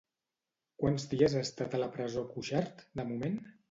Quants dies ha estat a la presó Cuixart, de moment?